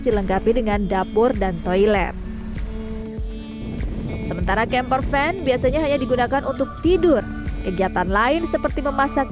dihentikan sementara kemporven biasanya hanya digunakan untuk tidur kegiatan lain seperti memasak